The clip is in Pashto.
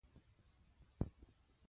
سپین ږیری د ماشومانو د ښوونې لپاره هڅې کوي